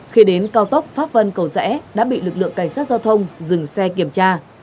khi đến cao tốc pháp vân cầu rẽ đã bị lực lượng cảnh sát giao thông dừng xe kiểm tra